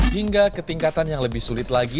hingga ketingkatan yang lebih sulit lagi